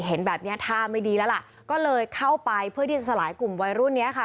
เห็นแบบนี้ท่าไม่ดีแล้วล่ะก็เลยเข้าไปเพื่อที่จะสลายกลุ่มวัยรุ่นเนี้ยค่ะ